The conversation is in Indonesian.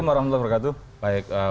assalamualaikum warahmatullahi wabarakatuh